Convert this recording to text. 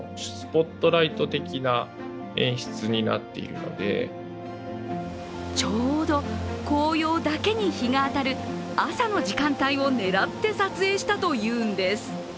更にちょうど紅葉だけに日が当たる朝の時間帯を狙って撮影したというんです。